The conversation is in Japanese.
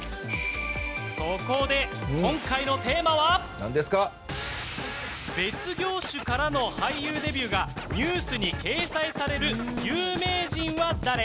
そこで、今回のテーマは別業種からの俳優デビューがニュースに掲載される有名人は誰？